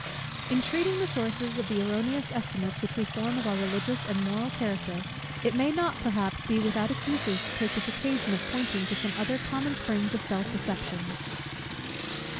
In treating of the sources of the erroneous estimates which we form of our religious and moral character, it may not, perhaps, be without its uses to take this occasion of pointing out some other common springs of self deception.